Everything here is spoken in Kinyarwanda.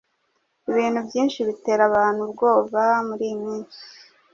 ibintu byinshi bitera abantu ubwoba muriyi minsi